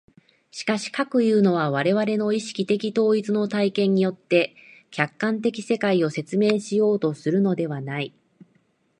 しかし、かくいうのは我々の意識的統一の体験によって客観的世界を説明しようとするのではない。